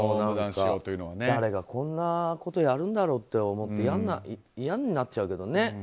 誰がこんなことやるんだろうって思って嫌になっちゃうけどね。